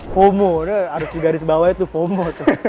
fomo harus di garis bawah itu fomo